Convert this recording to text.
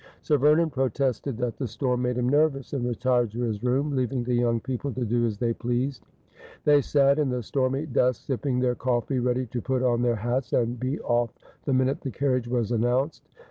Sir Vernon protested that the storm made him nervous, and retired to his room, leaving the young people to do as they pleased. They sat in the stormy dusk sipping their coifee, ready to put on their hats and be off: the minute the carriage was announced.